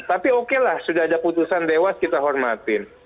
tapi oke lah sudah ada putusan dewas kita hormatin